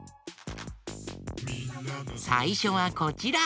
さいしょはこちら。